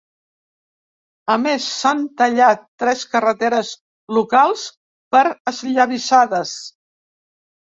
A més s’han tallat tres carreteres locals per esllavissades.